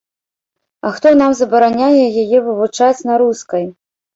А хто нам забараняе яе вывучаць на рускай?